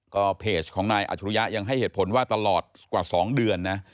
ก็เพจของนายอัจฉริยะยังให้เหตุผลว่าตลอดกว่า๒เดือนนะ